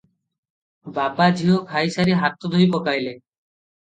ବାବାଝିଅ ଖାଇସାରି ହାତ ଧୋଇ ପକାଇଲେ ।